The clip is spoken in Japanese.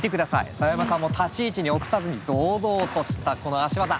澤山さんも立ち位置に臆さずに堂々としたこの足技。